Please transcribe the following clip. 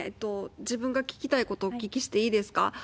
自分が聞きたいことをお聞きしていいですか？